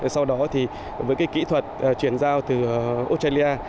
sau đó thì với kỹ thuật chuyển giao từ australia